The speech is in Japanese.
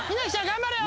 頑張れよ。